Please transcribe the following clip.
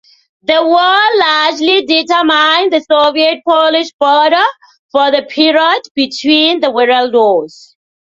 The war largely determined the Soviet-Polish border for the period between the World Wars.